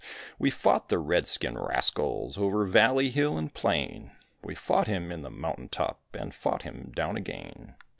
We fought the red skin rascals Over valley, hill, and plain; We fought him in the mountain top, And fought him down again.